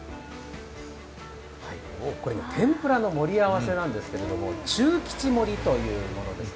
これ、天ぷらの盛り合わせなんですけど中吉盛りというものなんです。